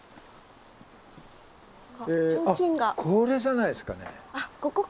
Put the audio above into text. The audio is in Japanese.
あっこれじゃないですかね？